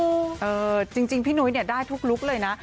เออจริงพี่หนุ๊ยได้ทุกลุ๊กเลยนะ